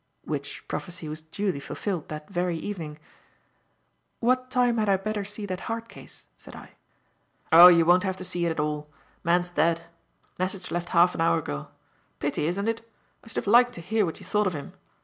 Which prophecy was duly fulfilled that very evening. "What time had I better see that heart case?" said I. "Oh, you won't have to see it at ail. Man's dead. Message left half an hour go. Pity, isn't it? I should have liked to hear what you thought of him.